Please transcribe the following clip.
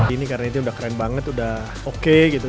ini karena ini udah keren banget udah oke gitu